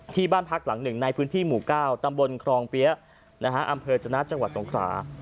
ที่บ้านพักหลังหนึ่งในพื้นที่หมู่๙ตำบลครองเปี๊ยะอำเภอจนะจังหวัดสงขรา